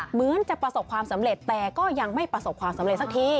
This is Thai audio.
เหมือนจะประสบความสำเร็จแต่ก็ยังไม่ประสบความสำเร็จสักที